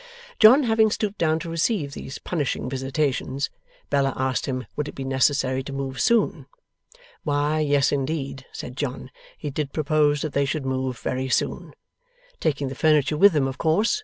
John having stooped down to receive these punishing visitations, Bella asked him, would it be necessary to move soon? Why yes, indeed (said John), he did propose that they should move very soon. Taking the furniture with them, of course?